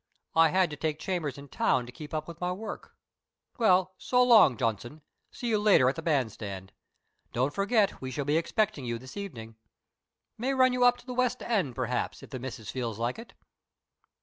I had to take chambers in town to keep up with my work. Well, so long, Johnson! See you later at the band stand. Don't forget we shall be expecting you this evening. May run you up to the west end, perhaps, if the missis feels like it."